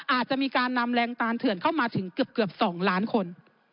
อาจจะมีการนำแรงตานเถื่อนเข้ามาถึงเกือบ๒ล้านคน